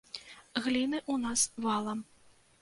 Гліны ў нас валам.